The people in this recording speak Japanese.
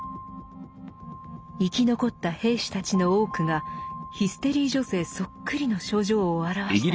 生き残った兵士たちの多くがヒステリー女性そっくりの症状を現したのです。